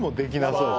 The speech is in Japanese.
そう。